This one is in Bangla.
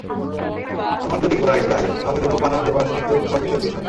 আমার যদি গোড়ায় যাই, তাহলে দেখব পানামা পেপারস কিন্তু করবিষয়ক কিছু নয়।